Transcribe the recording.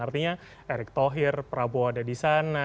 artinya erick thohir prabowo ada di sana